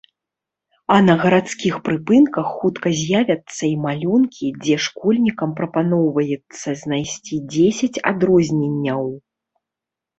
А на гарадскіх прыпынках хутка з'явяцца і малюнкі, дзе школьнікам прапаноўваецца знайсці дзесяць адрозненняў.